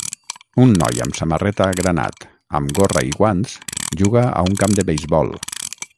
Un noi amb samarreta granat amb gorra i guants juga a un camp de beisbol.